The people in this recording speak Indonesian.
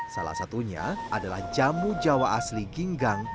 salah satunya adalah jamu jawa asli ginggang